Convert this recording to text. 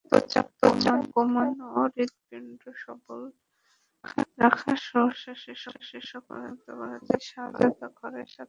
রক্তচাপ কমানো, হূিপণ্ড সবল রাখাসহ শ্বাসপ্রশ্বাসের সক্ষমতা বাড়াতে সহায়তা করে সাঁতার।